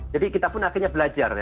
jadi kita pun akhirnya belajar ya